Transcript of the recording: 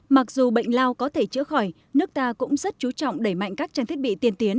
mặc dù bệnh lao có thể chữa khỏi nước ta cũng rất chú trọng đẩy mạnh các trang thiết bị tiên tiến